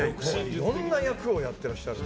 いろんな役をやってらっしゃるので。